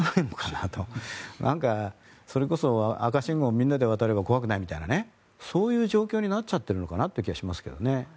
なんか、それこそ赤信号みんなで渡れば怖くないみたいなそういう状況になっちゃってるのかなという気がしますけどね。